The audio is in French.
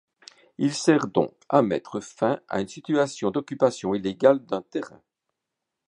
Il sert donc à mettre fin à une situation d'occupation illégale d'un terrain.